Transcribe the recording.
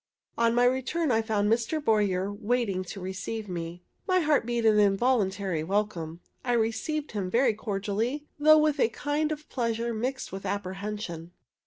On my return I found Mr. Boyer waiting to receive me. My heart beat an involuntary welcome. I received him very cordially, though with a kind of pleasure mixed with apprehension.